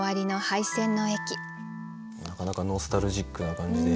なかなかノスタルジックな感じで。